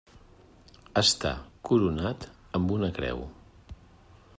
Està coronat amb una creu.